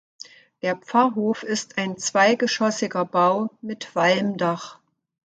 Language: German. Der Pfarrhof ist ein zweigeschoßiger Bau mit Walmdach.